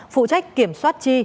phụ trách kiểm soát chi